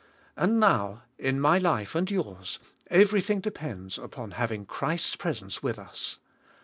And now, in my life and yours, everything depends upon having Christ's presence with us.